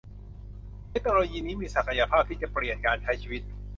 เทคโนโลยีนี้มีศักยภาพที่จะเปลี่ยนการใช้ชีวิต